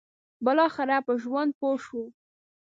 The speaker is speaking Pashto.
بالاخره په ژوند پوه شو.